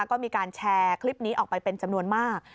ก็มีการแชร์คลิปนี้ออกไปเป็นจำนวนมาก